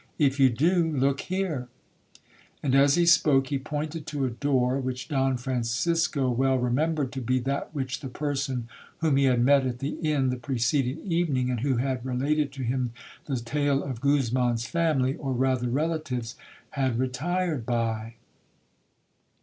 If you do, look here!' And as he spoke, he pointed to a door which Don Francisco well remembered to be that which the person whom he had met at the inn the preceding evening, and who had related to him the tale of Guzman's family, (or rather relatives), had retired by.